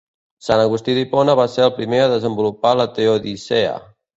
Sant Agustí d'Hipona va ser el primer a desenvolupar la teodicea.